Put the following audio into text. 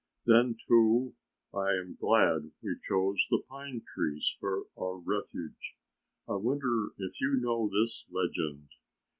Then, too, I am glad we chose the pine trees for our refuge. I wonder if you know this legend?